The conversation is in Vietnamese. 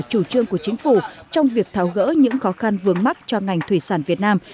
chủ trương của chính phủ trong việc thảo gỡ những khó khăn vương mắc cho ngành thủy sản việt nam